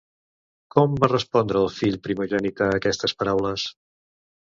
Com va respondre el fill primogènit a aquestes paraules?